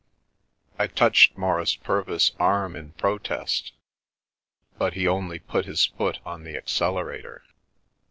I touched Maurice Purvis* arm in protest, but he only put his foot on the accelerator.